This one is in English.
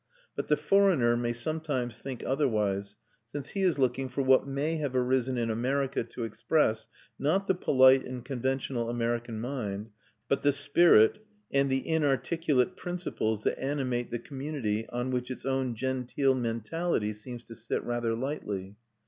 But the foreigner may sometimes think otherwise, since he is looking for what may have arisen in America to express, not the polite and conventional American mind, but the spirit and the inarticulate principles that animate the community, on which its own genteel mentality seems to sit rather lightly.